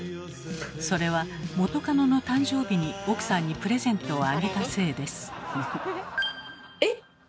それは元カノの誕生日に奥さんにプレゼントをあげたせいです。